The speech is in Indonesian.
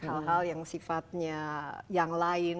hal hal yang sifatnya yang lain